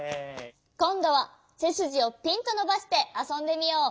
こんどはせすじをピンとのばしてあそんでみよう。